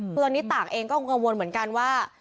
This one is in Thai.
คือตอนนี้ต่างเองก็กังวลเหมือนกันว่า